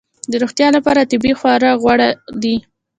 د روغتیا لپاره طبیعي خواړه غوره دي